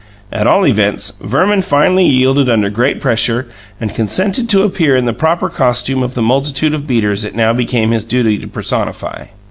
At all events, Verman finally yielded under great pressure, and consented to appear in the proper costume of the multitude of beaters it now became his duty to personify.